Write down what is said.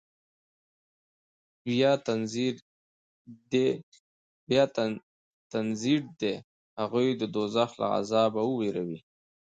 بيا تنذير ديه هغوى د دوزخ له عذابه ووېروه.